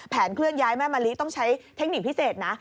เคลื่อนย้ายแม่มะลิต้องใช้เทคนิคพิเศษนะ